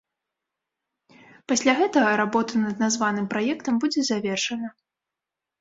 Пасля гэтага работа над названым праектам будзе завершана.